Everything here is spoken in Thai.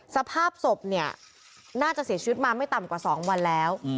สภาพศพเนี่ยน่าจะเสียชีวิตมาไม่ต่ำกว่า๒วันแล้ว